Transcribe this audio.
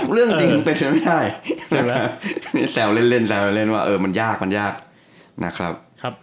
เรื่องจริงเป็นไม่ได้แสวเล่นว่ามันยากนะครับ